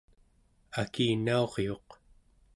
akinauriuq